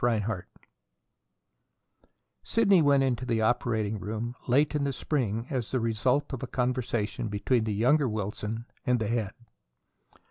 CHAPTER XXI Sidney went into the operating room late in the spring as the result of a conversation between the younger Wilson and the Head.